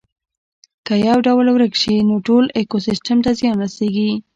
که یو ډول ورک شي نو ټول ایکوسیستم ته زیان رسیږي